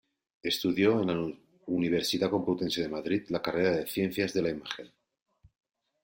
Estudió en la Universidad Complutense de Madrid la carrera de Ciencias de la Imagen.